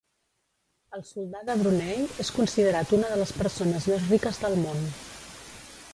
El soldà de Brunei és considerat una de les persones més riques del món.